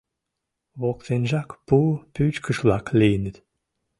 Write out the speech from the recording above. Воктенжак пу пӱчкыш-влак лийыныт.